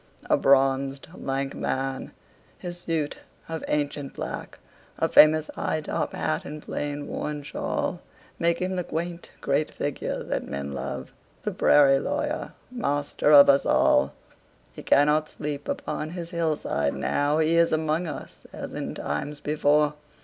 A bronzed, lank man! His suit of ancient black,A famous high top hat and plain worn shawlMake him the quaint great figure that men love, The prairie lawyer, master of us all. He cannot sleep upon his hillside now. He is among us:—as in times before!